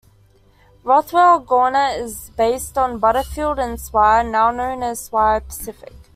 Rothwell-Gornt is based on Butterfield and Swire, now known as Swire Pacific.